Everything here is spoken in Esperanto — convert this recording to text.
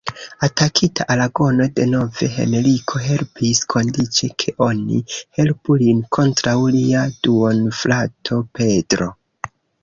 Atakita Aragono denove, Henriko helpis, kondiĉe ke oni helpu lin kontraŭ lia duonfrato Pedro.